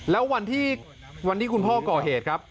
แล้ววันที่คุณพ่อก่อเหตุครับ